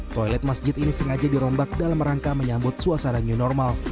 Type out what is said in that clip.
toilet masjid ini sengaja dirombak dalam rangka menyambut suasana new normal